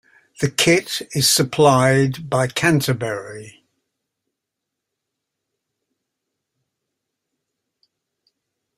The kit is supplied by Canterbury.